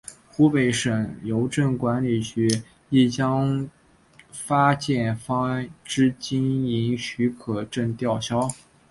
湖北省邮政管理局亦将发件方之经营许可证吊销。